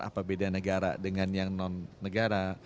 apa beda negara dengan yang non negara